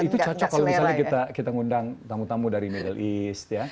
itu cocok kalau misalnya kita ngundang tamu tamu dari middle east ya